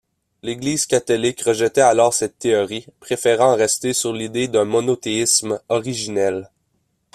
L'Église catholique rejetait alors cette théorie, préférant rester sur l'idée d'un monothéisme originel.